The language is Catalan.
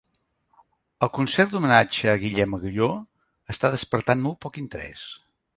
El concert d'homenatge a Guillem Agulló està despertant molt poc interès